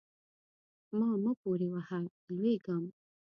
ما مه پورې وهه؛ لوېږم.